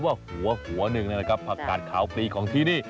เห็นเหลือเกินว่าหัวหนึ่งนะครับภาคการข่าวฟรีของที่นี่